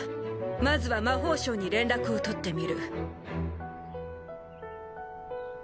まずは魔法省に連絡を取ってみる。